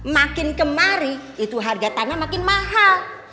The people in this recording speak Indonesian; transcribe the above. makin kemari itu harga tanah makin mahal